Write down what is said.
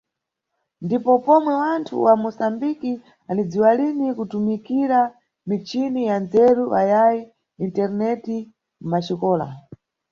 Ndipo pomwe wanthu wa Musambiki anidziwa lini kutumikira michini ya nzeru ayayi Internet mʼmaxikola.